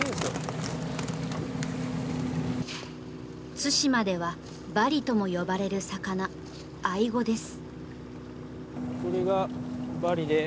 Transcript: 対馬ではバリとも呼ばれる魚アイゴです。